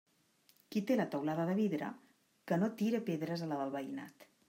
Qui té la teulada de vidre, que no tire pedres a la del veïnat.